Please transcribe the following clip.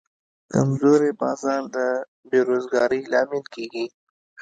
کمزوری بازار د بیروزګارۍ لامل کېږي.